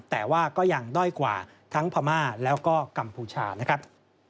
แต่ว่าก็ยังด้อยกว่าทั้งพม่าแล้วก็กัมพูชานะครับ